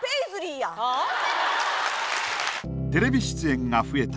テレビ出演が増えた